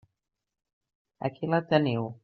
Aquí la teniu.